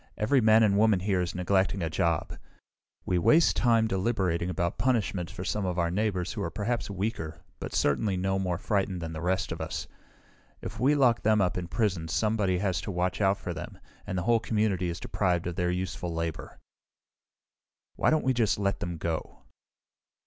Every man and woman here is neglecting a job. We waste time, deliberating about punishment for some of our neighbors who are perhaps weaker, but certainly no more frightened than the rest of us. If we lock them up in prison somebody has to watch out for them, and the whole community is deprived of their useful labor. "Why don't we just let them go?"